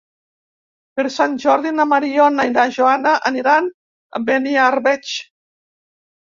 Per Sant Jordi na Mariona i na Joana aniran a Beniarbeig.